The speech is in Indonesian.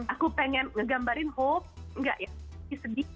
aku pengen ngegambarin hope gak yang sedih